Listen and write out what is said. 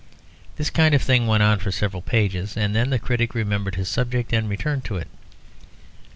This kind of thing went on for several pages, and then the critic remembered his subject, and returned to it.